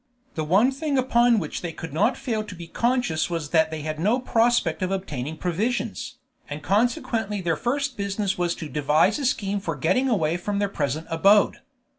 The one thing upon which they could not fail to be conscious was that they had no prospect of obtaining provisions, and consequently their first business was to devise a scheme for getting away from their present abode.